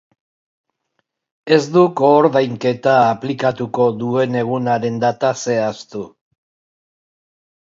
Ez du koordainketa aplikatuko duen egunaren data zehaztu.